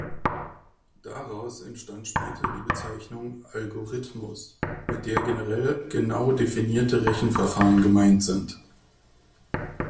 Daraus entstand später die Bezeichnung „Algorithmus“, mit der generell genau definierte Rechenverfahren gemeint sind.